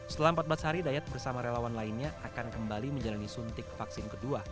setelah empat belas hari dayat bersama relawan lainnya akan kembali menjalani suntik vaksin kedua